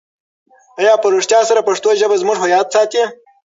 آیا په رښتیا سره پښتو ژبه زموږ هویت ساتي؟